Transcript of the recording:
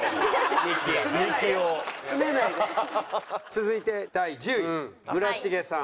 続いて第１０位村重さん。